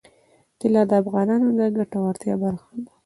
طلا د افغانانو د ګټورتیا برخه ده.